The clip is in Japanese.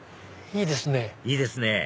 いいですね。